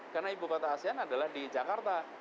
karena ibu kota asean adalah di jakarta